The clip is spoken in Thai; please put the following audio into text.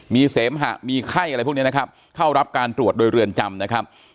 มีเสมหะมีไข้อะไรพวกนี้นะครับเข้ารับการตรวจโดยเรือนจำนะครับ